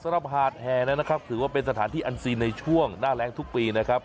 หาดแห่นั้นนะครับถือว่าเป็นสถานที่อันซีนในช่วงหน้าแรงทุกปีนะครับ